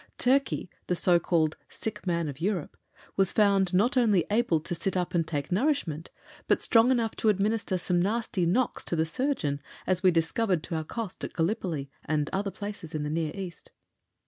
Turkey, the so called "sick man of Europe," was found not only able to "sit up and take nourishment," but strong enough to administer some nasty knocks to the surgeon, as we discovered to our cost in Gallipoli, and other places in the Near East.